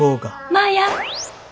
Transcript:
マヤ。